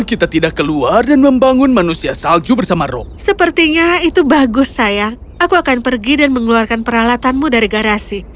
itu bagus sayang aku akan pergi dan mengeluarkan peralatanmu dari garasi